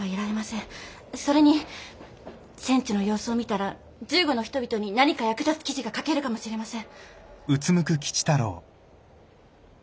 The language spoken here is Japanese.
それに戦地の様子を見たら銃後の人々に何か役立つ記事が書けるかもしれません。